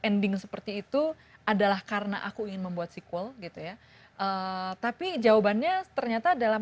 ending seperti itu adalah karena aku ingin membuat sequel gitu ya tapi jawabannya ternyata dalam